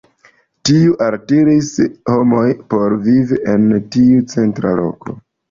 Tiu altiris homojn por vivi en tiu centra loko.